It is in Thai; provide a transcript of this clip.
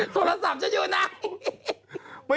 โทรศัพท์จะอยู่ไหน